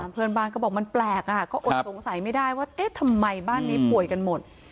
เพื่อนบ้านก็บอกมันแปลกก็อดสงสัยไม่ได้ว่าเอ๊ะทำไมบ้านนี้ป่วยกันหมด